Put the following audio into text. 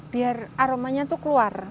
biar aromanya tuh keluar